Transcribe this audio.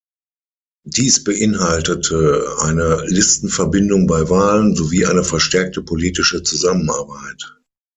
Dies beinhaltete eine Listenverbindung bei Wahlen sowie eine verstärkte politische Zusammenarbeit.